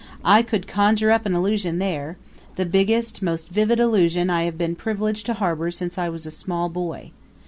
I could conjure up an illusion there the biggest, most vivid illusion I have been privileged to harbor since I was a small boy.